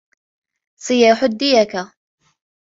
صياح الديكة